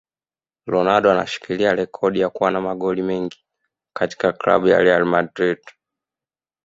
Ronaldo anashikilia rekodi ya kua na magoli mengi katika club ya Real Madrid